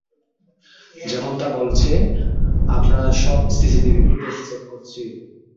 যেমনটা বলেছ, আমরা সব সিসিটিভি ফুটেজ চেক করেছি।